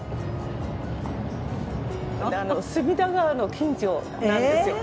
隅田川の近所なんですよ。